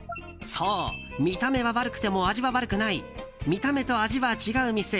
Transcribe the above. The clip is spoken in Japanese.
そう見た目は悪くても味は悪くないみためとあじは違う店。